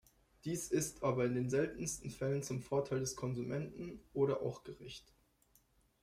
Dies ist aber in den seltensten Fällen zum Vorteil des Konsumenten oder auch gerecht.